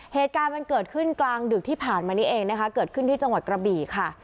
เหตุการณ์มันเกิดขึ้นกลางดึกที่ผ่านมานี้เองนะคะเกิดขึ้นที่จังหวัดกระบี่ค่ะ